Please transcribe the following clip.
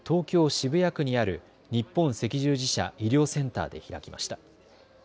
渋谷区にある日本赤十字社医療センターで開きました。